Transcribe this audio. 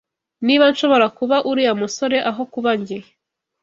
Niba nshobora kuba uriya musore aho kuba njye.